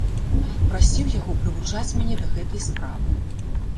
Прасіў яго прывучаць мяне да гэтай справы.